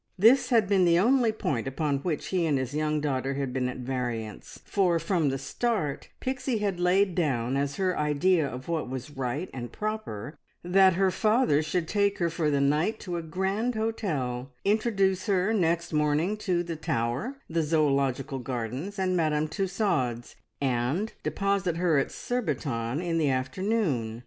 This had been the only point upon which he and his young daughter had been at variance; for from the start Pixie had laid down, as her idea of what was right and proper, that her father should take her for the night to a grand hotel, introduce her next morning to the Tower, the Zoological Gardens, and Madame Tussaud's, and deposit her at Surbiton in the afternoon.